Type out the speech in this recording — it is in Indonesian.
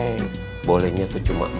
nggak boleh kebanyakan ya